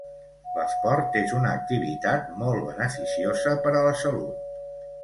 L'esport és una activitat molt beneficiosa per a la salut.